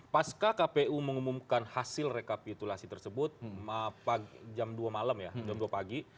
pas kpu mengumumkan hasil rekapitulasi tersebut jam dua malam ya jam dua pagi